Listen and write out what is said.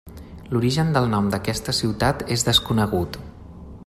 L'origen del nom d'aquesta ciutat és desconegut.